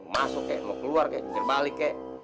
masuk kayak mau keluar kayak nyuruh balik kek